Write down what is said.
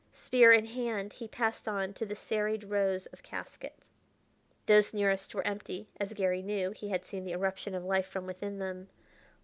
Spear in hand, he passed on to the serried rows of caskets. Those nearest were empty, as Garry knew; he had seen the eruption of life from within them.